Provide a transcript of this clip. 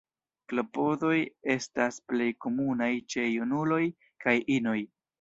Klopodoj estas plej komunaj ĉe junuloj kaj inoj.